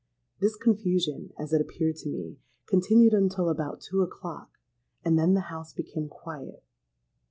This confusion, as it appeared to me, continued until about two o'clock; and then the house became quiet.